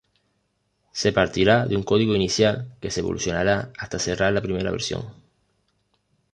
Se partirá de un código inicial que se evolucionará hasta cerrar una primera versión.